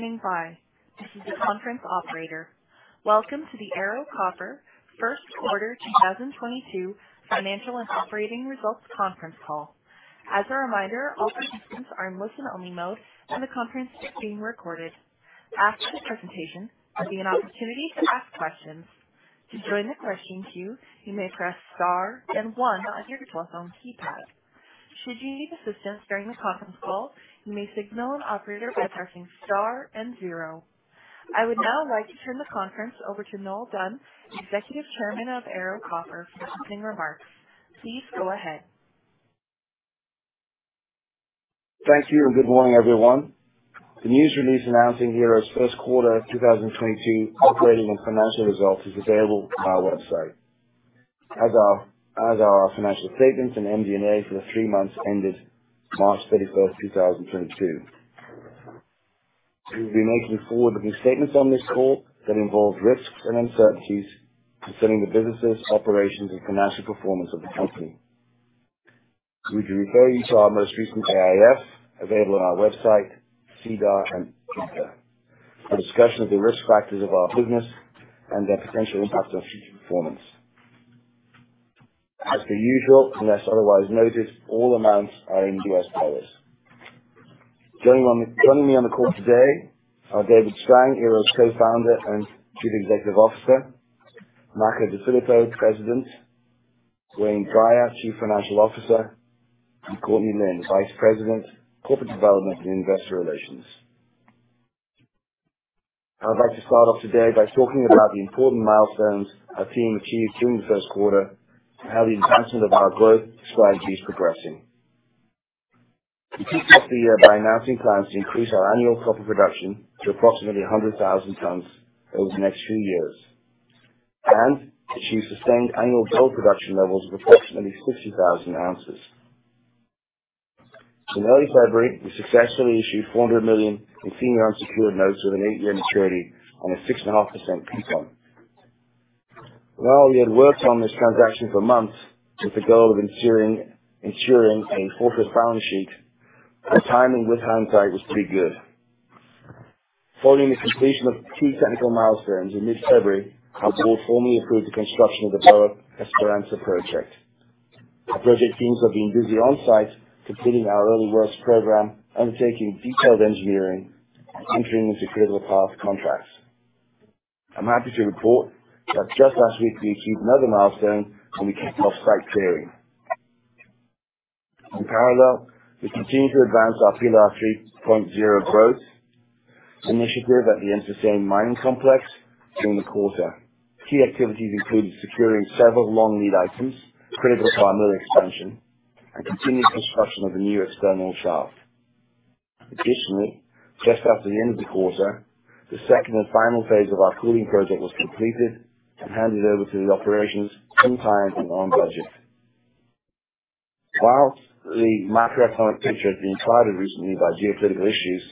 Thank you for standing by. This is the conference operator. Welcome to the Ero Copper First Quarter 2022 Financial and Operating Results Conference Call. As a reminder, all participants are in listen only mode, and the conference is being recorded. After the presentation, there'll be an opportunity to ask questions. To join the question queue, you may press star and one on your telephone keypad. Should you need assistance during the conference call, you may signal an operator by pressing star and zero. I would now like to turn the conference over to Noel Dunn, Executive Chairman of Ero Copper for opening remarks. Please go ahead. Thank you and good morning, everyone. The news release announcing Ero's first quarter 2022 operating and financial results is available on our website, as are our financial statements and MD&A for the three months ended March 31, 2022. We will be making forward-looking statements on this call that involve risks and uncertainties concerning the businesses, operations and financial performance of the company. We refer you to our most recent AIF available on our website, SEDAR and EDGAR, for a discussion of the risk factors of our business and their potential impact on future performance. As per usual, unless otherwise noted, all amounts are in US dollars. Joining me on the call today are David Strang, Ero's Co-founder and Chief Executive Officer, Makko DeFilippo, President, Wayne Drier, Chief Financial Officer, and Courtney Lynn, Vice President, Corporate Development and Investor Relations. I'd like to start off today by talking about the important milestones our team achieved during the first quarter and how the advancement of our growth strategy is progressing. We kicked off the year by announcing plans to increase our annual copper production to approximately 100,000 tons over the next few years. Achieve sustained annual gold production levels of approximately 60,000 ounces. In early February, we successfully issued $400 million in senior unsecured notes with an 8-year maturity on a 6.5% coupon. While we had worked on this transaction for months with the goal of ensuring a fortress balance sheet, the timing with hindsight was pretty good. Following the completion of key technical milestones in mid-February, our board formally approved the construction of the Boa Esperança project. Our project teams have been busy on site completing our early works program, undertaking detailed engineering, and entering into critical path contracts. I'm happy to report that just last week we achieved another milestone when we kicked off site clearing. In parallel, we continued to advance our Pilar 3.0 growth initiative at the MCSA mining complex during the quarter. Key activities included securing several long lead items critical to our mill expansion and continued construction of the new external shaft. Additionally, just after the end of the quarter, the second and final phase of our cooling project was completed and handed over to the operations on time and on budget. While the macroeconomic picture has been clouded recently by geopolitical issues,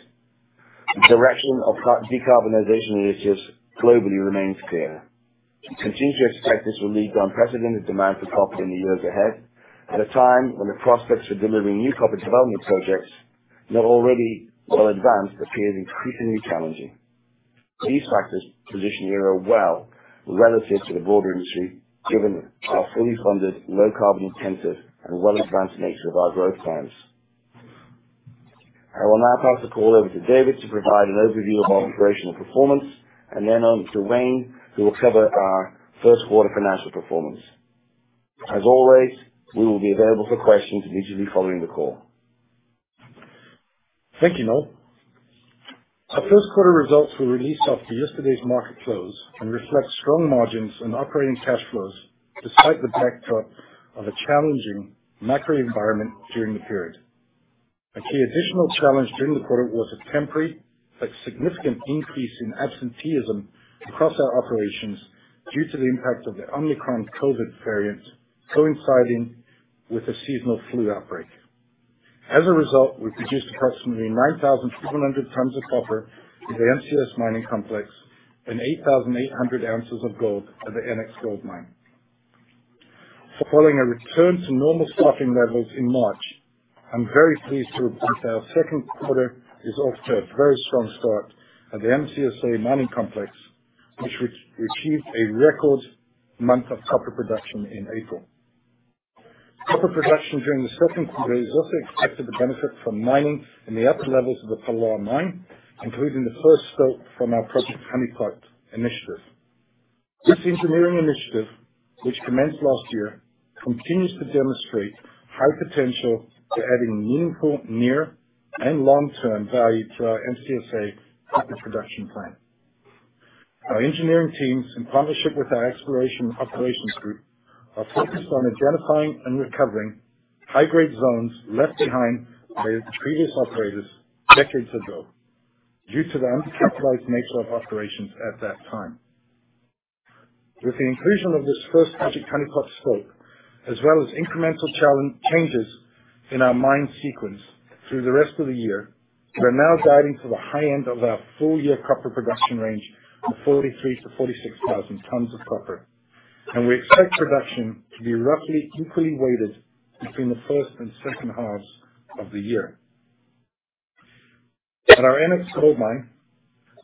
the direction of carbon decarbonization initiatives globally remains clear. We continue to expect this will lead to unprecedented demand for copper in the years ahead, at a time when the prospects for delivering new copper development projects, not already well advanced, appear increasingly challenging. These factors position Ero well relative to the broader industry, given our fully funded, low carbon intensive and well-advanced nature of our growth plans. I will now pass the call over to David to provide an overview of our operational performance and then on to Wayne, who will cover our first quarter financial performance. As always, we will be available for questions individually following the call. Thank you, Noel. Our first quarter results were released after yesterday's market close and reflect strong margins and operating cash flows despite the backdrop of a challenging macro environment during the period. A key additional challenge during the quarter was a temporary but significant increase in absenteeism across our operations due to the impact of the Omicron COVID variant coinciding with the seasonal flu outbreak. As a result, we produced approximately 9,200 tons of copper at the MCSA mining complex and 8,800 ounces of gold at the NX Gold Mine. Following a return to normal staffing levels in March, I'm very pleased to report that our second quarter is off to a very strong start at the MCSA mining complex, which we achieved a record month of copper production in April. Copper production during the second quarter is also expected to benefit from mining in the upper levels of the Pilar mine, including the first stope from our Project Honeypot initiative. This engineering initiative, which commenced last year, continues to demonstrate high potential to adding meaningful near and long-term value to our MCSA copper production plan. Our engineering teams, in partnership with our exploration operations group, are focused on identifying and recovering high-grade zones left behind by the previous operators decades ago due to the uncapitalized nature of operations at that time. With the inclusion of this first Project Honeypot stope, as well as incremental challenge changes in our mine sequence through the rest of the year, we are now guiding to the high end of our full-year copper production range of 43,000-46,000 tons of copper. We expect production to be roughly equally weighted between the first and second halves of the year. At our NX Gold Mine,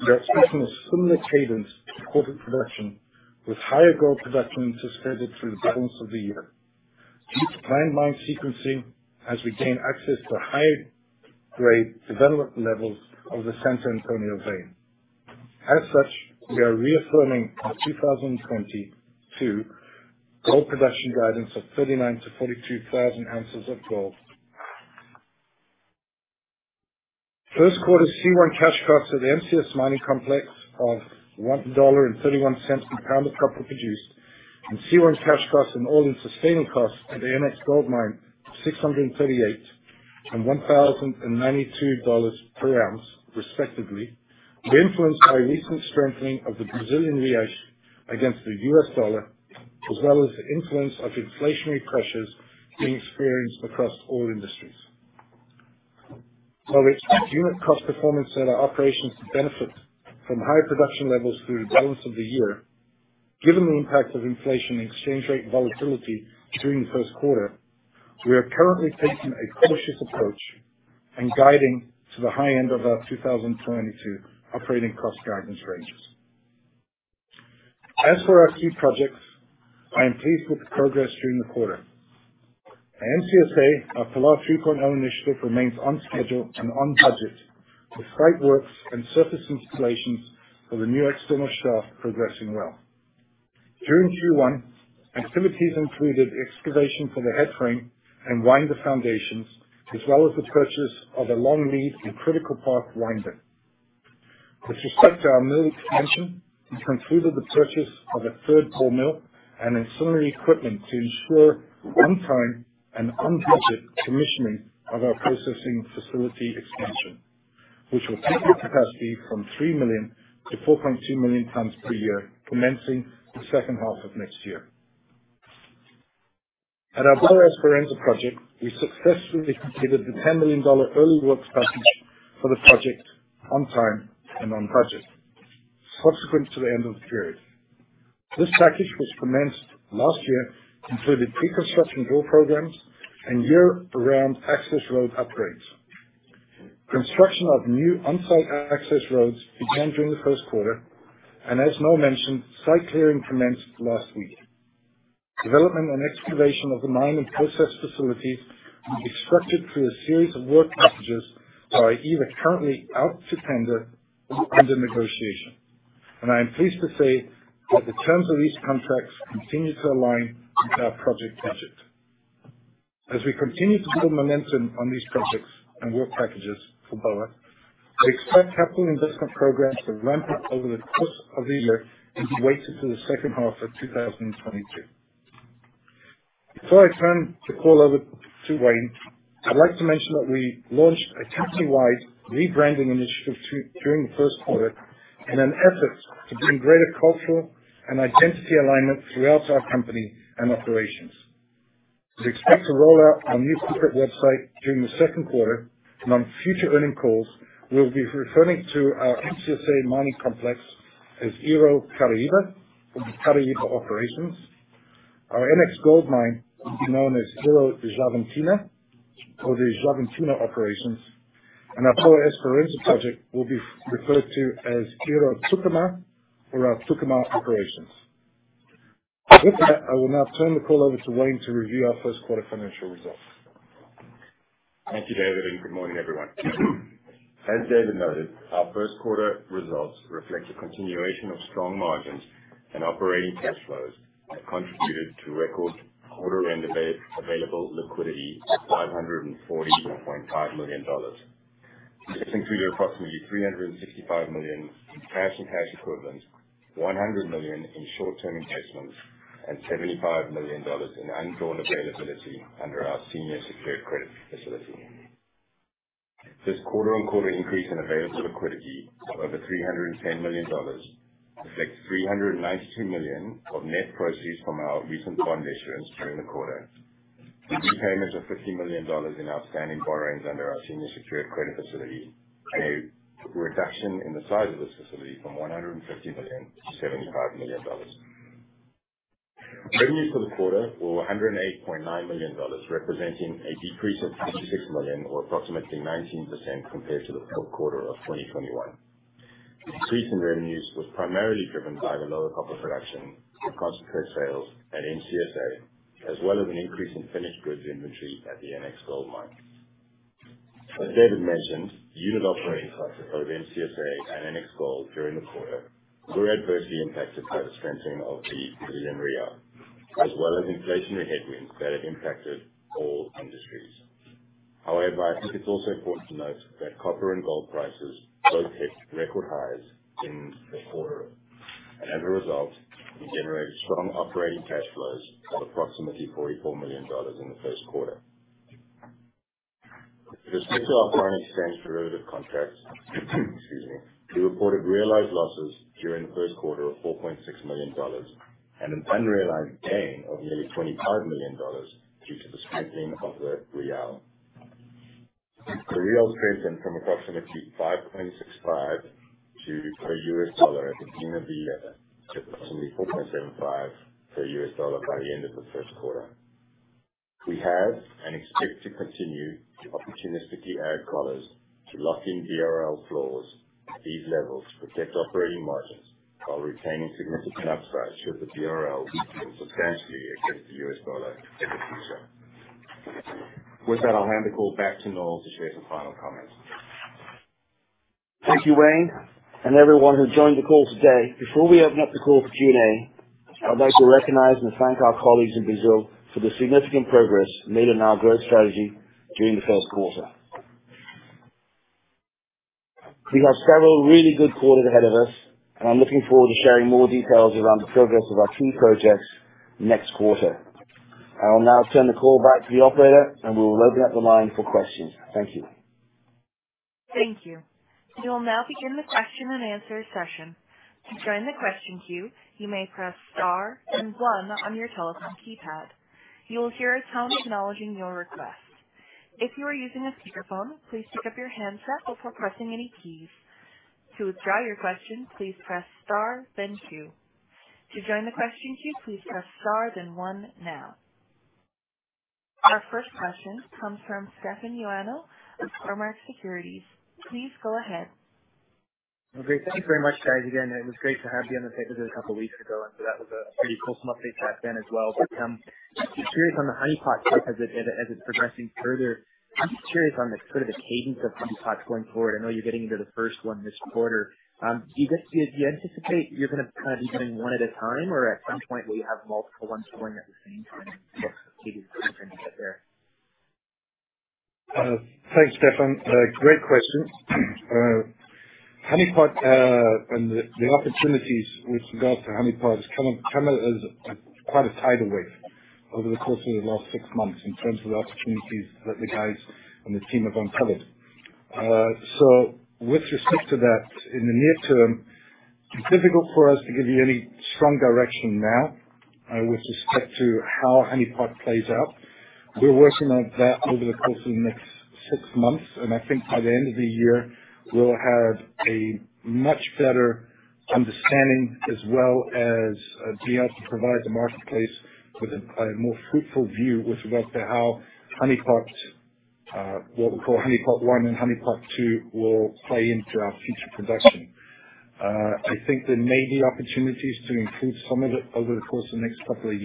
we are expecting a similar cadence of quarter production, with higher gold production sustained through the balance of the year. Due to planned mine sequencing as we gain access to higher grade development levels of the San Antonio vein. As such, we are reaffirming our 2022 gold production guidance of 39,000-42,000 ounces of gold. First quarter C1 cash costs at the MCSA Mining Complex of $1.31 per pound of copper produced, and C1 cash costs and all-in sustaining costs at the NX Gold Mine, $638 and $1,092 per ounce respectively, were influenced by recent strengthening of the Brazilian real against the US dollar, as well as the influence of inflationary pressures being experienced across all industries. While we expect unit cost performance at our operations to benefit from higher production levels through the balance of the year, given the impact of inflation and exchange rate volatility during the first quarter, we are currently taking a cautious approach and guiding to the high end of our 2022 operating cost guidance ranges. As for our key projects, I am pleased with the progress during the quarter. At MCSA, our Pilar 3.0 initiative remains on schedule and on budget, with site works and surface installations for the new external shaft progressing well. During Q1, activities included excavation for the headframe and winder foundations, as well as the purchase of a long lead and critical path winder. With respect to our mill expansion, we concluded the purchase of a third ball mill and ancillary equipment to ensure on time and on budget commissioning of our processing facility expansion, which will take our capacity from 3 million to 4.2 million tons per year, commencing the second half of next year. At our Boa Esperança project, we successfully completed the $10 million early works package for the project on time and on budget subsequent to the end of the period. This package was commenced last year and included preconstruction drill programs and year-round access road upgrades. Construction of new on-site access roads began during the first quarter, and as Noel mentioned, site clearing commenced last week. Development and excavation of the mine and process facilities will be structured through a series of work packages that are either currently out to tender or under negotiation. I am pleased to say that the terms of these contracts continue to align with our project budget. As we continue to build momentum on these projects and work packages for Boa, I expect capital investment programs to ramp up over the course of the year and be weighted to the second half of 2022. Before I turn the call over to Wayne, I'd like to mention that we launched a company-wide rebranding initiative during the first quarter in an effort to bring greater cultural and identity alignment throughout our company and operations. We expect to roll out our new corporate website during the second quarter, and on future earnings calls, we will be referring to our MCSA Mining Complex as Ero Caraíba or the Caraíba Operations. Our NX Gold Mine will be known as Ero Xavantina or the Xavantina Operations. Our Boa Esperança project will be referred to as Ero Tucumã or our Tucumã Operations. With that, I will now turn the call over to Wayne to review our first quarter financial results. Thank you, David, and good morning, everyone. As David noted, our first quarter results reflect a continuation of strong margins and operating cash flows that contributed to record quarter and available liquidity of $541.5 million. This included approximately $365 million in cash and cash equivalents, $100 million in short-term investments, and $75 million in undrawn availability under our senior secured credit facility. This quarter-on-quarter increase in available liquidity of over $310 million reflects $392 million of net proceeds from our recent bond issuance during the quarter. The repayment of $50 million in outstanding borrowings under our senior secured credit facility, a reduction in the size of this facility from $150 million to $75 million. Revenue for the quarter were $108.9 million, representing a decrease of $66 million or approximately 19% compared to the fourth quarter of 2021. Decrease in revenues was primarily driven by the lower copper production and concentrate sales at MCSA, as well as an increase in finished goods inventory at the NX Gold Mine. As David mentioned, unit operating costs both at MCSA and NX Gold during the quarter were adversely impacted by the strengthening of the Brazilian real, as well as inflationary headwinds that have impacted all industries. However, I think it's also important to note that copper and gold prices both hit record highs in the quarter. As a result, we generated strong operating cash flows of approximately $44 million in the first quarter. With respect to our foreign exchange derivative contracts, excuse me, we reported realized losses during the first quarter of $4.6 million and an unrealized gain of nearly $25 million due to the strengthening of the real. The real strengthened from approximately 5.65 per US dollar at the beginning of the year to approximately 4.75 per US dollar by the end of the first quarter. We have, and expect to continue to opportunistically add collars to lock in BRL floors at these levels to protect operating margins while retaining significant upside should the BRL weaken substantially against the US dollar in the future. With that, I'll hand the call back to Noel to share some final comments. Thank you, Wayne, and everyone who joined the call today. Before we open up the call for Q&A, I'd like to recognize and thank our colleagues in Brazil for the significant progress made on our growth strategy during the first quarter. We have several really good quarters ahead of us, and I'm looking forward to sharing more details around the progress of our key projects next quarter. I will now turn the call back to the operator, and we'll open up the line for questions. Thank you. Thank you. We will now begin the question and answer session. To join the question queue, you may press star then one on your telephone keypad. You will hear a tone acknowledging your request. If you are using a speakerphone, please pick up your handset before pressing any keys. To withdraw your question, please press star then two. To join the question queue, please press star then one now. Our first question comes from Orest Wowkodaw of Cormark Securities. Please go ahead. Okay, thank you very much, guys. Again, it was great to have you on the a couple weeks ago, and so that was a pretty cool some updates back then as well. Just curious on the Honeypot site as it's progressing further, I'm just curious on the sort of the cadence of Honeypot going forward. I know you're getting into the first one this quarter. Do you anticipate you're gonna kind of be doing one at a time or at some point will you have multiple ones going at the same time? Thanks, Orest. Great question. Honeypot and the opportunities with regards to Honeypot has come as quite a tidal wave over the course of the last six months in terms of the opportunities that the guys on the team have uncovered. With respect to that, in the near term, it's difficult for us to give you any strong direction now, with respect to how Honeypot plays out. We're working on that over the course of the next six months, and I think by the end of the year we'll have a much better understanding as well as be able to provide the marketplace with a more fruitful view with regards to how Honeypot, what we call Project Honeypot and Honeypot Two will play into our future production. I think there may be opportunities to include some of it over the course of the next couple of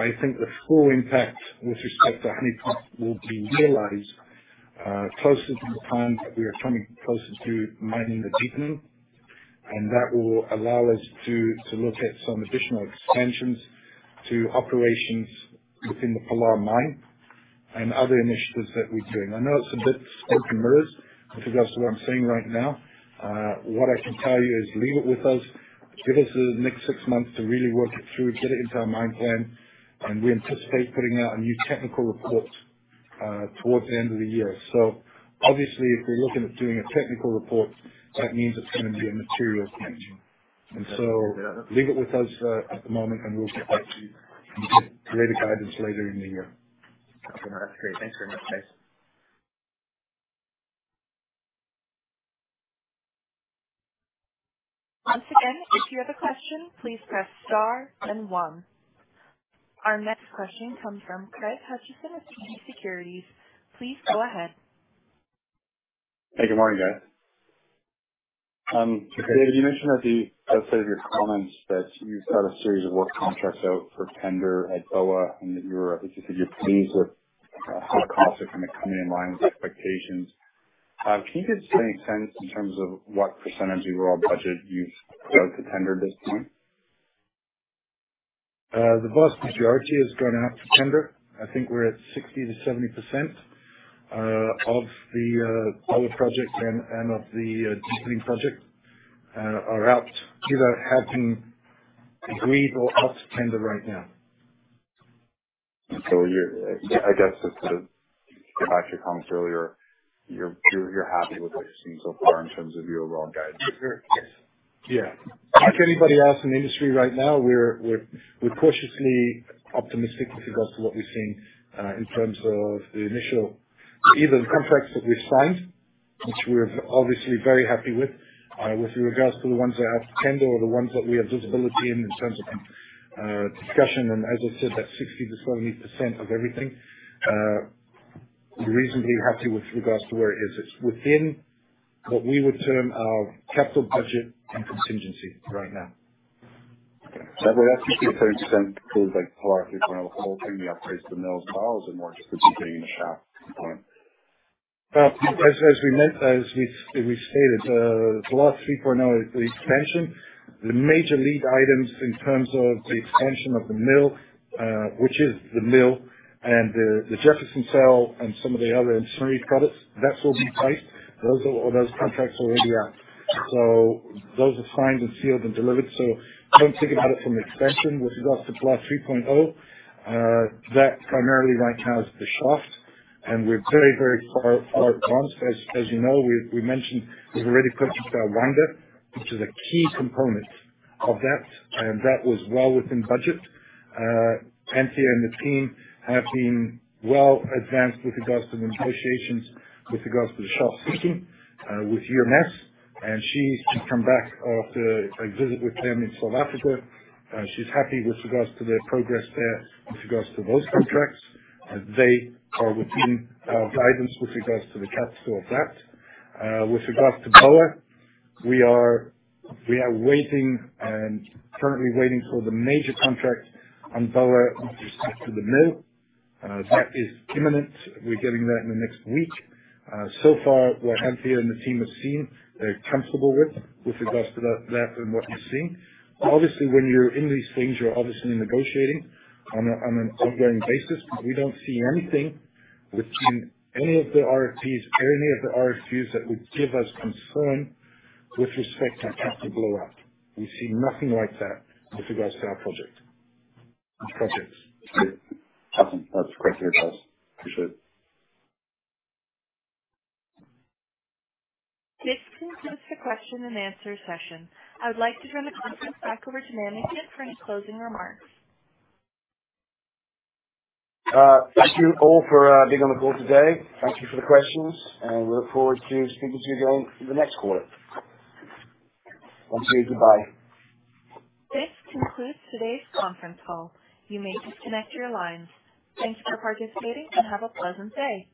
years. I think the full impact with respect to Honeypot will be realized, closer to the time that we are coming closer to mining the deepening, and that will allow us to look at some additional expansions to operations within the Pilar Mine and other initiatives that we're doing. I know it's a bit smoke and mirrors with regards to what I'm saying right now. What I can tell you is leave it with us. Give us the next six months to really work it through, get it into our mine plan, and we anticipate putting out a new technical report, towards the end of the year. Obviously, if we're looking at doing a technical report, that means it's gonna be a material expansion. Leave it with us at the moment, and we'll get back to you and give greater guidance later in the year. Okay, mate. That's great. Thanks very much. Once again, if you have a question, please press star then one. Our next question comes from Craig Hutchison of TD Securities. Please go ahead. Hey, good morning, guys. David, you mentioned at the outset of your comments that you've got a series of work contracts out for tender at Boa and that you're, I guess you said you're pleased with how costs are kinda coming in line with expectations. Can you just give any sense in terms of what percentage of your raw budget you've put out to tender at this point? The vast majority has gone out to tender. I think we're at 60%-70% of the Boa project and of the deepening project are out either having agreed or out to tender right now. I guess just to go back to comments earlier, you're happy with what you've seen so far in terms of our guidance? Yeah. Like anybody else in the industry right now, we're cautiously optimistic with regards to what we've seen in terms of the initial either the contracts that we've signed, which we're obviously very happy with regards to the ones that are out to tender or the ones that we have visibility in terms of discussion. As I said, that 60%-70% of everything, we're reasonably happy with regards to where it is. It's within what we would term our capital budget and contingency right now. Okay. Would that be a 30% for the Pilar 3.0 in the upgrades to the mills, silos, and more specifically in the shaft component? As we've stated, the Pilar 3.0 expansion, the major lead items in terms of the expansion of the mill, which is the mill and the Jameson Cell and some of the other ancillary projects, that will be priced. Those contracts are already out. Those are signed and sealed and delivered. When we think about it from expansion with regards to Pilar 3.0, that primarily right now is the shaft and we're very far advanced. As you know, we mentioned we've already purchased our winder, which is a key component of that, and that was well within budget. Anthea and the team have been well advanced with regards to the negotiations with regards to the shaft sinking with UMS. She's just come back after a visit with them in South Africa. She's happy with regards to the progress there with regards to those contracts. They are within our guidance with regards to the capital of that. With regards to Boa, we are waiting and currently waiting for the major contract on Boa with respect to the mill. That is imminent. We're getting that in the next week. So far, what Anthea and the team have seen, they're comfortable with regards to that and what we've seen. Obviously, when you're in these things, you're obviously negotiating on an ongoing basis, but we don't see anything within any of the RFPs or any of the RFQs that would give us concern with respect to a capital blowout. We see nothing like that with regards to our projects. Awesome. That's the question I was asked. Appreciate it. This concludes the question and answer session. I would like to turn the conference back over to management for any closing remarks. Thank you all for being on the call today. Thank you for the questions, and we look forward to speaking to you again in the next quarter. Once again, goodbye. This concludes today's conference call. You may disconnect your lines. Thank you for participating and have a pleasant day.